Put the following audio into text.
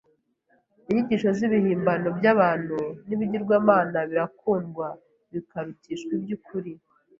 Inyigisho z’ibihimbano by’abantu n’ibigirwamana birakundwa bikarutishwa iby’ukuri.